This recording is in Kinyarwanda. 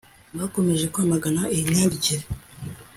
bakomeje kwamagana iyi myandikire